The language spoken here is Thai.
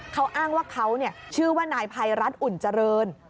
เขาอ้างว่าเขาชื่อว่านายภัยรัฐอุ่นเจริญ